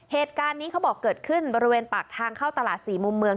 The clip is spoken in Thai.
เหตุการณ์นี้เขาบอกเกิดขึ้นบริเวณปากทางเข้าตลาด๔มุมเมือง